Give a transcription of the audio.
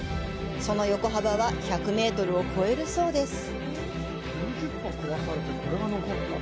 その横幅は１００メートルを超えるそうです。